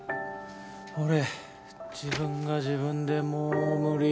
俺自分が自分でもう無理。